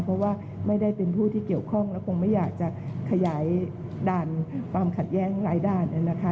เพราะว่าไม่ได้เป็นผู้ที่เกี่ยวข้องและคงไม่อยากจะขยายด่านความขัดแย้งหลายด้าน